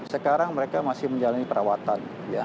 sekarang mereka masih menjalani perawatan